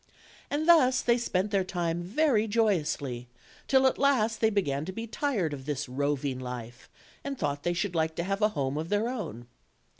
And thus they spent their time very joyously, till at last they began to" be tired of this roving life, and thought they should like to have a home of their own.